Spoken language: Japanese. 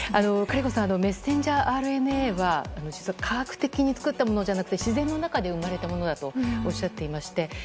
メッセンジャーＲＮＡは科学的に作ったものじゃなくて自然の中で生まれたものだとおっしゃっていまして。